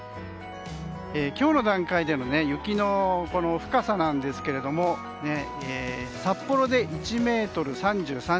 今日の段階での雪の深さなんですけども札幌で１ｍ３３ｃｍ。